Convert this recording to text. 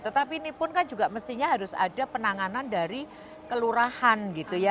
tetapi ini pun kan juga mestinya harus ada penanganan dari kelurahan gitu ya